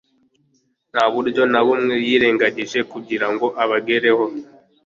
Nta buryo na bumwe yirengagije kugira ngo abagereho.